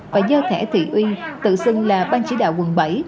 và do thẻ thị uyên tự xưng là ban chỉ đạo quận bảy